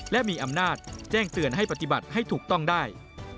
และมีอำนาจแจ้งเตือนให้ปฏิบัติให้ถูกต้องได้